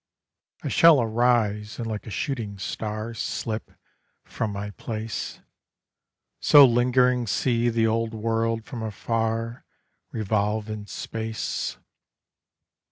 I shall arise, and like a shooting star Slip from my place; So lingering see the old world from afar Revolve in space.